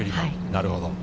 なるほど。